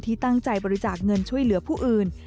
ตั้งใจบริจาคเงินช่วยเหลือผู้อื่น